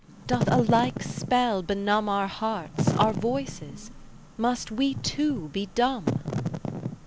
doth a like spell benumb Our hearts, our voices? must we too be dumb?